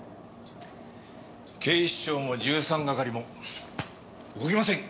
警視庁も１３係も動きません。